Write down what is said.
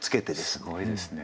すごいですね。